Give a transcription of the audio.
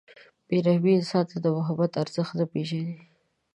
• بې رحمه انسان د محبت ارزښت نه پېژني.